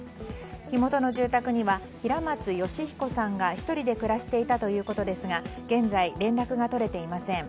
火元の住宅には、平松義彦さんが１人で暮らしていたということですが現在、連絡が取れていません。